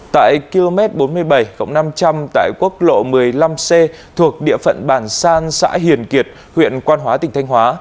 tại km bốn mươi bảy năm trăm linh tại quốc lộ một mươi năm c thuộc địa phận bản san xã hiền kiệt huyện quan hóa tỉnh thanh hóa